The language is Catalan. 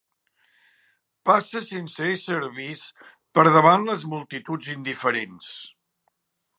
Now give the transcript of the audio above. Passa sense ésser vist per davant les multituds indiferents